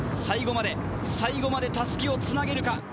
最後まで最後まで襷をつなげるか。